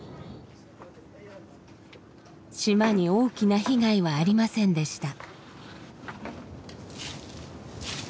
島に大きな被害はありませんでした。